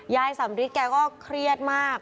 ยายสำริดเขาก็เครียดมาก